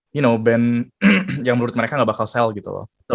you know band yang menurut mereka nggak bakal sell gitu loh